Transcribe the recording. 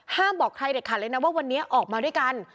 บอกใครเด็ดขาดเลยนะว่าวันนี้ออกมาด้วยกัน